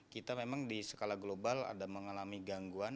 kita memang di skala global ada mengalami gangguan